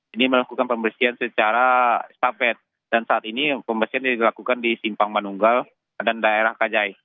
ini melakukan pembersihan secara estafet dan saat ini pembersihan dilakukan di simpang manunggal dan daerah kajai